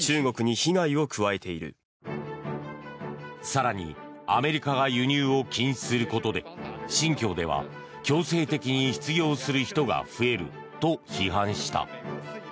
更に、アメリカが輸入を禁止することで新疆では、強制的に失業する人が増えると批判した。